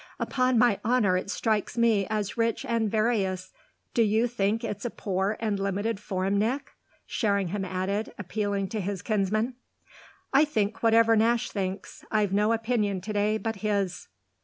"Upon my honour it strikes me as rich and various! Do you think it's a poor and limited form, Nick?" Sherringham added, appealing to his kinsman. "I think whatever Nash thinks. I've no opinion to day but his."